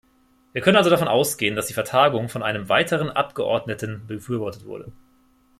Wir können also davon ausgehen, dass die Vertagung von einem weiteren Abgeordneten befürwortet wurde.